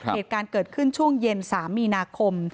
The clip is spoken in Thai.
เหตุการณ์เกิดขึ้นช่วงเย็น๓มีนาคม